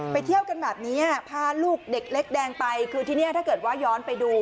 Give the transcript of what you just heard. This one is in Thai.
เที่ยวกันแบบนี้พาลูกเด็กเล็กแดงไปคือที่นี่ถ้าเกิดว่าย้อนไปดู